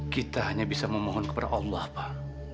kita hanya bisa memohon kepada allah pak